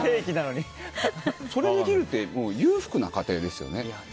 それできるって裕福な家庭ですよね。